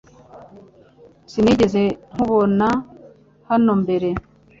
Sinigeze nkubona hano mbere